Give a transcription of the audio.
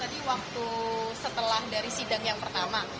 tadi waktu setelah dari sidang yang pertama